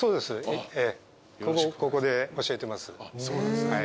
そうです。